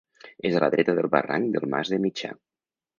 És a la dreta del barranc del Mas de Mitjà.